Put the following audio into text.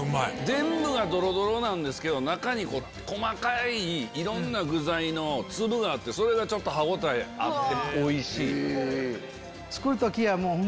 全部がドロドロなんですけど中に細かいいろんな具材の粒があってそれが歯応えあって。